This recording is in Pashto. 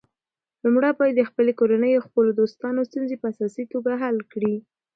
لومړی باید د خپلې کورنۍ او خپلو دوستانو ستونزې په اساسي توګه حل کړې.